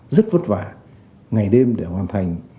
rất vất vả ngày đêm để hoàn thành